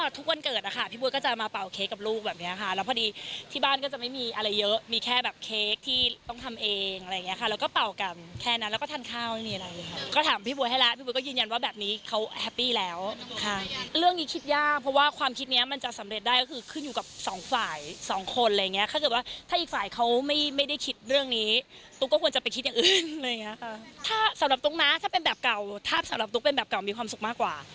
ถ้าสำหรับตุ๊กนะถ้าเป็นแบบเก่าถ้าสำหรับตุ๊กเป็นแบบเก่ามีความสุขมากกว่า